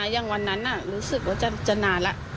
อย่างวันนั้นรู้สึกว่าจะนานแล้ว